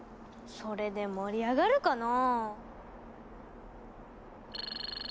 それで盛り上がるかな？